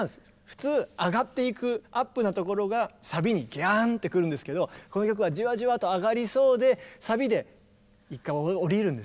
普通上がっていくアップなところがサビにギャンってくるんですけどこの曲はじわじわと上がりそうでサビで１回下りるんですよね。